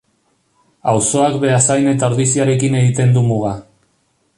Auzoak Beasain eta Ordiziarekin egiten du muga.